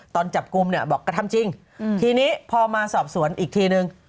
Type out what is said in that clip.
ตอนจับกลุ่มเนี่ยบอกกระทำจริงทีนี้พอมาสอบสวนอีกทีนึง